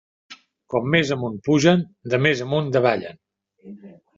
Com més amunt pugen, de més amunt davallen.